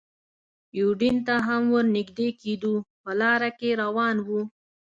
یوډین ته هم ور نږدې کېدو، په لاره کې روان و.